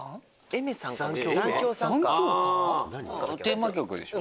テーマ曲でしょ？